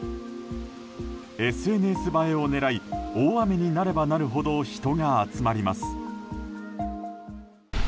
ＳＮＳ映えを狙い大雨になればなるほど人が集まります。